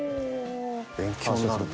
勉強になるな。